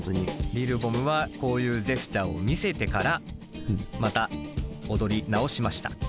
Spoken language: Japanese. ＬＩＬ’ＢＯＭはこういうジェスチャーを見せてからまた踊り直しました。